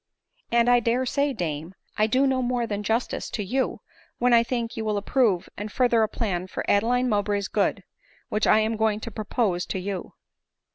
9 " And I dare say, dame, I do no more than justice to you, when I think you will approve and further a plan for Adeline Mowbray's good, which I am going to propose to you."